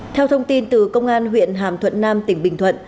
theo thông tin từ công an huyện hàm thuận nam tỉnh bình thuận